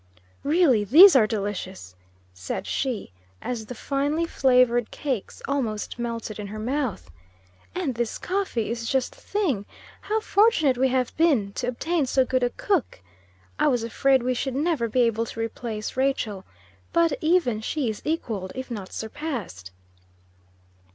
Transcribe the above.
"Really, these are delicious!" said she, as the finely flavored cakes almost melted in her mouth. "And this coffee is just the thing! How fortunate we have been to obtain so good a cook! I was afraid we should never be able to replace Rachel. But even she is equalled, if not surpassed."